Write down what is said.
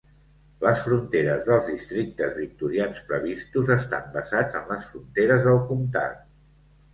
Les fronteres dels districtes victorians previstos estan basats en les fronteres del comtat.